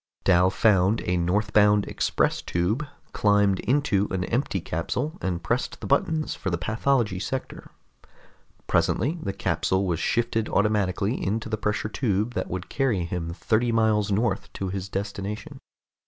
Dal found a northbound express tube, climbed into an empty capsule, and pressed the buttons for the pathology sector. Presently the capsule was shifted automatically into the pressure tube that would carry him thirty miles north to his destination.